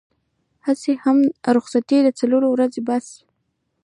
هسې هم رخصتي ده څلور ورځې بس.